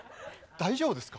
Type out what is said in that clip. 大丈夫ですか？